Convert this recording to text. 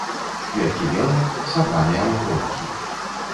Кветкі белыя, сабраныя ў гронкі.